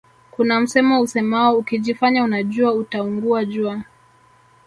Kuna msemo usemao ukijifanya unajua utaungua jua